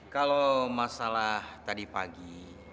kalau masalah tadi pagi